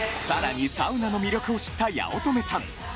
さらにサウナの魅力を知った八乙女さん。